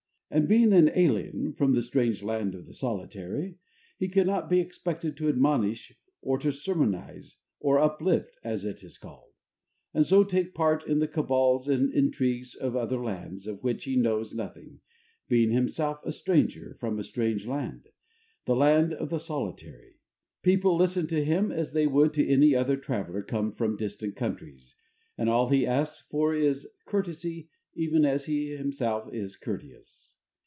And being an alien from the strange land of the solitary, he cannot be expected to admonish or to sermonize, or uplift, as it is called; and so take part in the cabals and intrigues in other lands of which he knows nothing, being himself a stranger from a strange land, the land of the solitary. People listen to him as they would to any other traveller come from distant countries, and all he asks for is courtesy even as he himself is courteous.